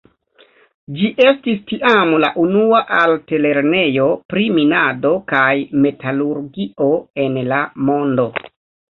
Ĝi estis tiam la unua altlernejo pri minado kaj metalurgio en la mondo.